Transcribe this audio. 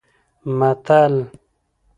متل: